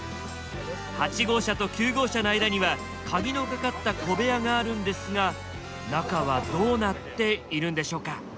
８号車と９号車の間には鍵のかかった小部屋があるんですが中はどうなっているんでしょうか。